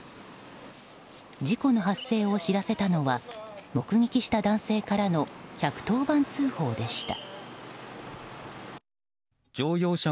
事故の発生を知らせたのは目撃した男性からの１１０番通報でした。